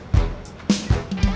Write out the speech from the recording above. ya ini lagi serius